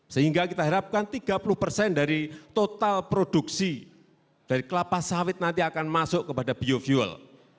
sehingga kita harapkan tiga puluh persen dari total produksi dari kelapa sawit nanti akan masuk kepada biofuel